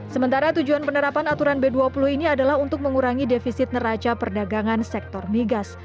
sementara tujuan penerapan aturan b dua puluh ini adalah untuk mengurangi defisit neraca perdagangan sektor migas